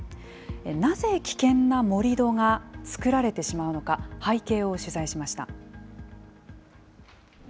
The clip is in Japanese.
なぜ危険な盛り土が作られてしまうのか、背景を取材しました。